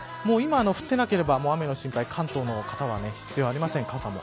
今降っていなければ、雨の心配は関東の方は傘も必要ありません。